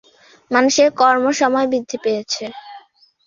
মানুষের কর্মসময় বৃদ্ধি পেয়েছে।